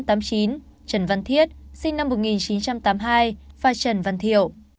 trần văn thiết sinh năm một nghìn chín trăm tám mươi hai và trần văn thiệu